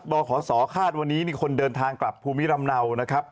บขศคาดวันนี้มีคนเดินทางกลับภูมิลำเนานะครับ